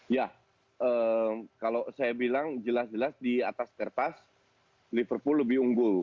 ya kalau saya bilang jelas jelas di atas kertas liverpool lebih unggul